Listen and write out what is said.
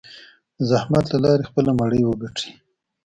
د زحمت له لارې خپله مړۍ وګټي.